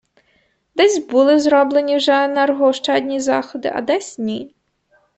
Десь були зроблені вже енергоощадні заходи, а десь - ні.